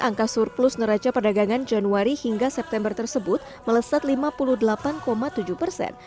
angka surplus neraca perdagangan januari hingga september tersebut melesat lima puluh delapan tujuh persen